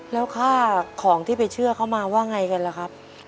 แล้วค่าของที่ไปเชื่อเขามาว่าไงกันล่ะครับ